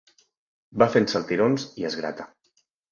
Va fent saltirons i es grata.